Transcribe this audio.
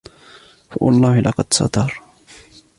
فَوَاَللَّهِ لَقَدْ سَتَرَ